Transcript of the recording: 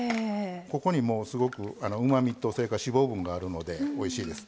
ここにすごくうまみと脂肪分があるのでおいしいです。